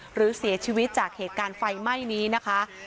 หรือเสียชีวิตจากเหตุการณ์ไฟไหม้นี้นะคะ